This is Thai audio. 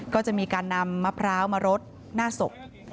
ก็จะมีการนำมะพร้าวมารดหน้าศพ